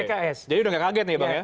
jadi sudah tidak kaget ya bang ya